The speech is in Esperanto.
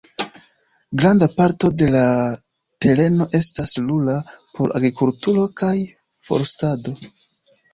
Granda parto de la tereno estas rura, por agrikulturo kaj forstado.